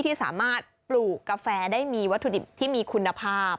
ที่สามารถปลูกกาแฟได้มีวัตถุดิบที่มีคุณภาพ